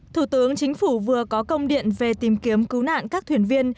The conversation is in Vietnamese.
thủ tướng chính phủ vừa có công điện về tìm kiếm cứu nạn các thuyền viên